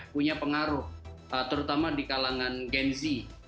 punya pengaruh terutama di kalangan gen z